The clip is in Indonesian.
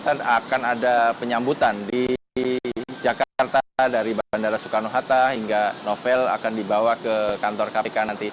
pada hari ini di jakarta akan ada penyambutan di jakarta dari bandara soekarno hatta hingga novel akan dibawa ke kantor kpk nanti